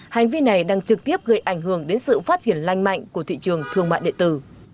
hành vi này đang trực tiếp gây ảnh hưởng đến sự phát triển lanh mạnh của thị trường thương mại điện tử